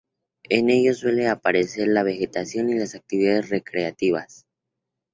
En ellos suelen aparecer la vegetación y las actividades recreativas.